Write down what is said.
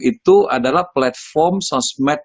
itu adalah platform sosmed